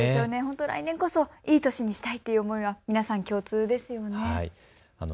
来年こそいい年にしたいという思いは皆さん共通ですよね。